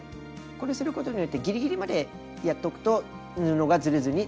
これすることによってぎりぎりまでやっておくと布がずれずにすみますね。